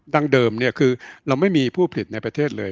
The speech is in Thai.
เดิมคือเราไม่มีผู้ผลิตในประเทศเลย